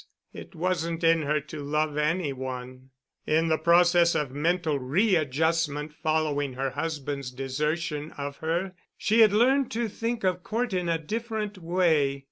It wasn't in her to love any one. In the process of mental readjustment following her husband's desertion of her she had learned to think of Cort in a different way.